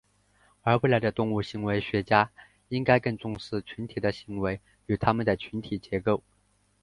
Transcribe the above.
而未来的动物行为学家应该更重视群体的行为与它们的群体结构。